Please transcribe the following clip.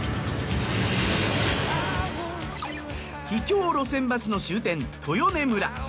秘境路線バスの終点豊根村。